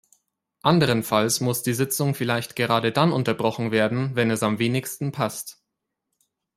Anderenfalls muss die Sitzung vielleicht gerade dann unterbrochen werden, wenn es am wenigsten passt.